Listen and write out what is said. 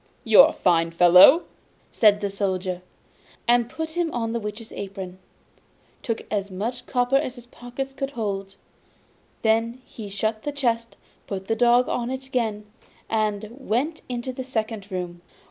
'You are a fine fellow!' said the Soldier, and put him on the Witch's apron, took as much copper as his pockets could hold; then he shut the chest, put the dog on it again, and went into the second room.